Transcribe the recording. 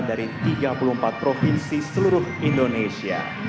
dari tiga puluh empat provinsi seluruh indonesia